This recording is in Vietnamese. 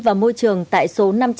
và môi trường tại số năm trăm năm mươi sáu